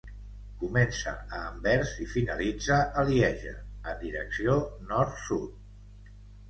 Comença a Anvers i finalitza a Lieja, en direcció nord-sud.